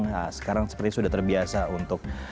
nah sekarang seperti sudah terbiasa untuk